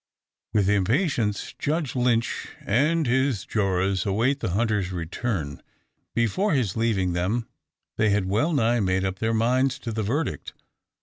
With impatience Judge Lynch and his jurors await the hunter's return. Before his leaving them, they had well nigh made up their minds to the verdict.